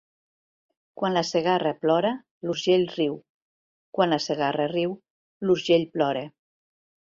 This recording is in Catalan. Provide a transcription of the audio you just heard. Quan la Segarra plora, l'Urgell riu; quan la Segarra riu, l'Urgell plora.